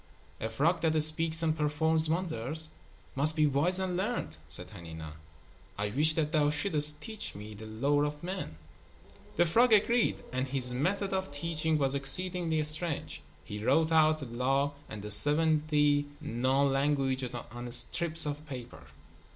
"A frog that speaks and performs wonders must be wise and learned," said Hanina. "I wish that thou shouldst teach me the lore of men." The frog agreed, and his method of teaching was exceedingly strange. He wrote out the Law and the seventy known languages on strips of paper.